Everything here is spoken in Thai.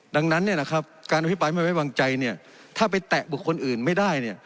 ดังนั้นการอภิปรายไม่ไว้วางใจเนี่ยถ้าไปแตะบุคคลอื่นไม่ได้